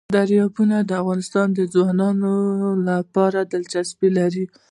دریابونه د افغان ځوانانو لپاره دلچسپي لري.